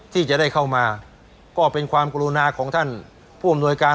ที่จะได้เข้ามาก็เป็นความกรุณาของท่านผู้อำนวยการ